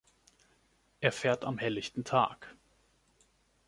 Er fährt am helllichten Tag.